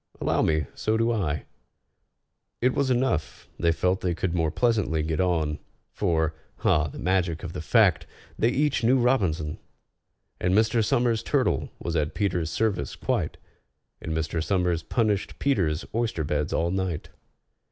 "Allow me, so do I." It was enough: they felt they could more pleasantly get on, For (ah, the magic of the fact!) they each knew ROBINSON! And Mr. SOMERS' turtle was at PETER'S service quite, And Mr. SOMERS punished PETER'S oyster beds all night.